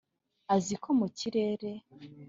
akazi ko mu kirere